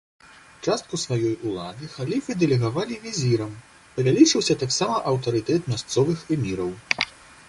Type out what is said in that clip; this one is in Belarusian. Частку сваёй улады халіфы дэлегавалі візірам, павялічыўся таксама аўтарытэт мясцовых эміраў.